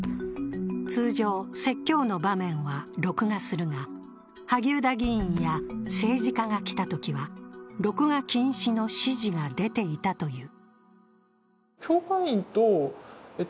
通常、説教の場面は録画するが、萩生田議員や政治家が来たときは録画禁止の指示が出ていたという。